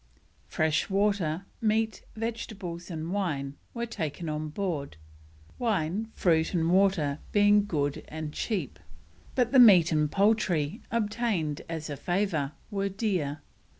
Fresh water, meat, vegetables, and wine were taken on board; wine, fruit, and water being good and cheap, but the meat and poultry, obtained as a favour, were dear.